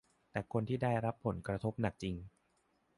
แต่คนที่ได้รับผลกระทบหนักจริง